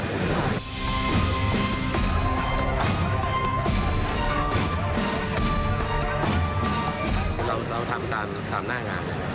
หรือรับสร้างทศาสตร์อะไรที่ออกกัน